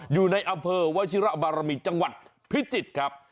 อยู่ในอำเภอวชิระบารมีจังหวัดพิจิตรครับ